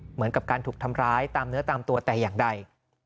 เหมือนกับการถูกทำร้ายตามเนื้อตามตัวแต่อย่างใด